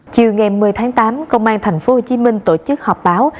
chiều ngày một mươi tháng tám công an tp hcm tổ chức họp báo